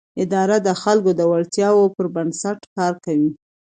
اداره د خلکو د اړتیاوو پر بنسټ کار کوي.